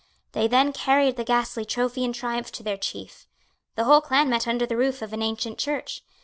They then carried the ghastly trophy in triumph to their chief. The whole clan met under the roof of an ancient church.